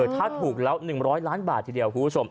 ถ้าถูกแล้ว๑๐๐ล้านบาททีเดียวคุณผู้ชม